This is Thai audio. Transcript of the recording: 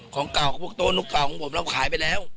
ของเก่ากับพวกโต๊ลูกเก่าของผมเราขายไปแล้ว